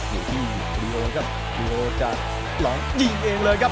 อยู่ที่ดีโอนะครับดีโอจะลองยิงเองเลยครับ